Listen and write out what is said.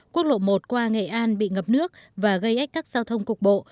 quốc lộ một qua nghệ an bị ngập nước và gây ếch các giao thông cục bộ